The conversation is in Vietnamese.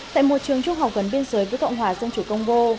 tại một trường trung học gần biên giới với cộng hòa dân chủ congo